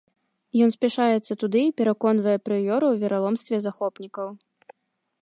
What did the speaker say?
Ён спяшаецца туды і пераконвае прыёра ў вераломстве захопнікаў.